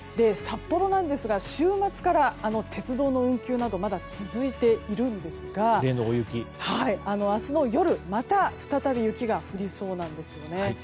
札幌ですが週末から鉄道の運休などがまだ続いているんですが明日の夜、また再び雪が降りそうなんですよね。